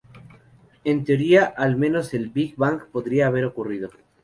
En teoría, al menos, el Big Bang podría haber ocurrido.